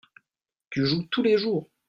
tu joues tous les jours.